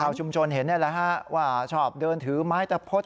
ชุมชนเห็นนี่แหละฮะว่าชอบเดินถือไม้ตะพด